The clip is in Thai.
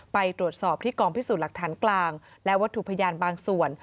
ไปตรวจสอบที่กองพิสูจน์หลักฐานกลางและวัตถุพยานบางส่วน